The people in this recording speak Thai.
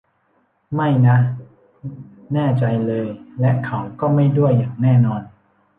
ไม่นะ แน่ใจเลย และเขาก็ไม่ด้วย อย่างแน่นอน